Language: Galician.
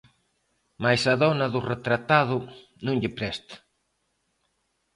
Mais á dona do retratado non lle presta.